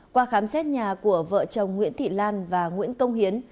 qua khám xét nhà của vợ chồng nguyễn thị lan và nguyễn công hiến